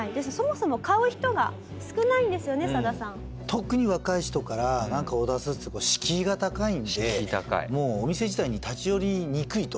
特に若い人からなんかオーダースーツって敷居が高いのでお店自体に立ち寄りにくいと。